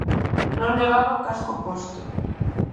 Non levaba o casco posto.